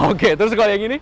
oke terus kalau yang ini